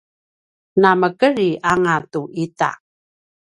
na mekedri anga tu ita